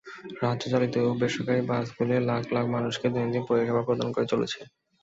রাজ্য-চালিত এবং বেসরকারি বাসগুলি লাখ-লাখ মানুষকে দৈনন্দিন পরিষেবা প্রদান করে চলেছে।